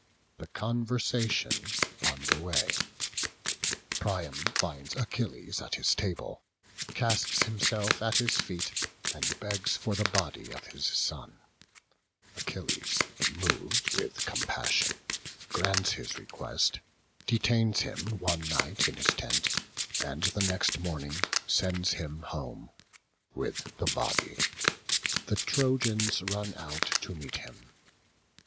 Their conversation on the way. Priam finds Achilles at his table, casts himself at his feet, and begs for the body of his son; Achilles, moved with compassion, grants his request, detains him one night in his tent, and the next morning sends him home with the body; the Trojans run out to meet him.